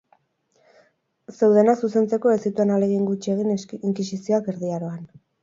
Zeudenak zuzentzeko ez zituen ahalegin gutxi egin inkisizioak Erdi Aroan.